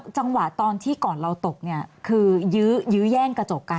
จังหวะตอนที่ก่อนเราตกเนี่ยคือยื้อแย่งกระจกกัน